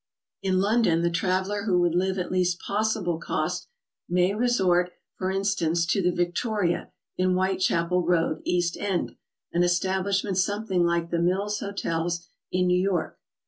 In London the traveler who would live at least p'ossible cost may resort, for instance, to the Victoria, in Whitechapel Road, East End, an establishment something like the Mills hotels in New York.